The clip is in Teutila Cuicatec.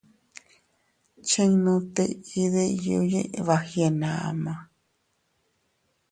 Chinnu tiʼi diyu yiʼi bagyenama.